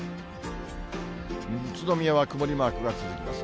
宇都宮は曇りマークが続きます。